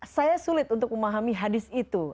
saya sulit untuk memahami hadis itu